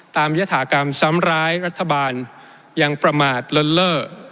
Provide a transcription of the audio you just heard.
ยฐากรรมซ้ำร้ายรัฐบาลยังประมาทเลิ่นเล่อ